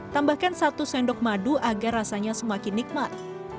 tambahkan satu sendok madu agar rasanya semakin nikmat